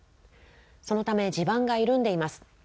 そのため地盤が緩んでいます。